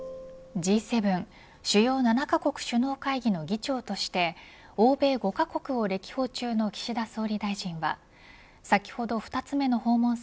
Ｇ７主要７カ国首脳会議の議長として欧米５カ国を歴訪中の岸田総理大臣は先ほど２つ目の訪問先